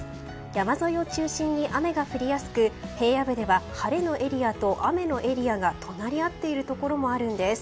山沿いを中心に雨が降りやすく平野部では晴れのエリアと雨のエリアが隣り合っているところもあるんです。